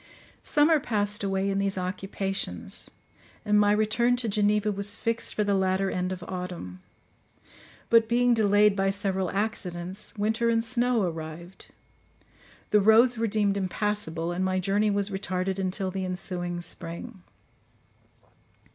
Summer passed away in these occupations, and my return to Geneva was fixed for the latter end of autumn; but being delayed by several accidents, winter and snow arrived, the roads were deemed impassable, and my journey was retarded until the ensuing spring.